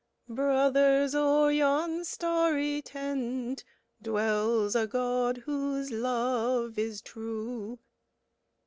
Brothers, o'er yon starry tent Dwells a God whose love is true!"